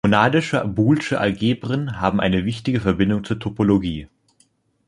Monadische boolesche Algebren haben eine wichtige Verbindung zur Topologie.